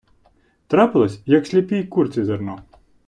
Трапилось, як сліпій курці зерно.